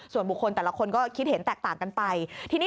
ส่วนบุคคลแต่ละคนก็คิดเห็นแตกต่างกันไปทีนี้